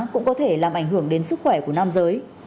cũng có thể làm ảnh hưởng đến sức khỏe của nam giới